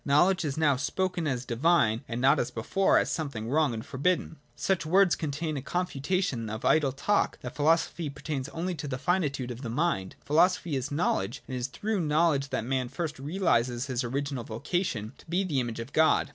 Knowledge is now spoken of as divine, and not, as before, as something wrong » and forbidden. Such words contain a confutation of the idle talk that philosophy pertains only to the finitude of the mind. Philosophy is knowledge, and it is through know ledge that man first realises his original vocation, to be the image of God.